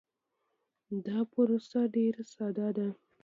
دا پروسه ډیر ساده ده.